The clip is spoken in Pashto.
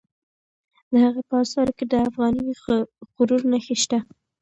د هغه په آثارو کې د افغاني غرور نښې شته.